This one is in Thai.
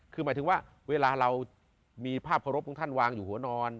คือหมายถึงว่าเวลาเรามีภาพเคารพของท่านวางอยู่หัวนอน